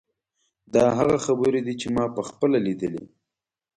دا هغه خبرې دي چې ما په خپله لیدلې.